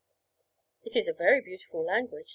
_' 'It is a very beautiful language.